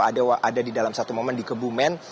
ada di dalam satu momen di kebumen